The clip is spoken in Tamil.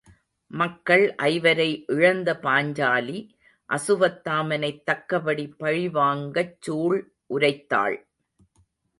மக்கள் ஐவரை இழந்த பாஞ்சாலி அசுவத்தாமனைத் தக்கபடி பழி வாங்கச் சூள் உரைத்தாள்.